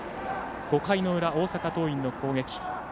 ５回の裏、大阪桐蔭の攻撃。